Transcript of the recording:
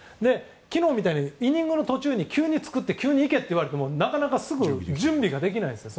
昨日みたいにイニングの途中で作ってて急に行けと言われても準備できないんです。